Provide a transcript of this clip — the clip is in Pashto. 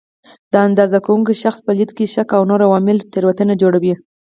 د اندازه کوونکي شخص په لید کې شک او نور عوامل تېروتنه جوړوي.